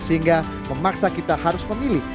sehingga memaksa kita harus memilih